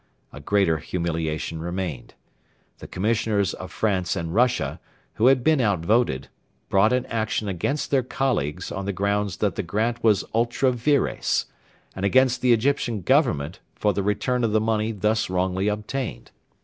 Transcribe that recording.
A greater humiliation remained. The Commissioners of France and Russia, who had been out voted, brought an action against their colleagues on the grounds that the grant was ultra vires; and against the Egyptian Government for the return of the money thus wrongly obtained.